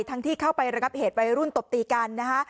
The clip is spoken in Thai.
ที่เข้าไประงับเหตุวัยรุ่นตบตีกันนะคะ